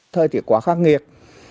thời tiết quá khắc nghiệt